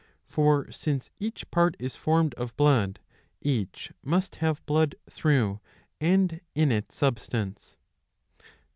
For since each part is formed of blood, each must have blood through and in its substance.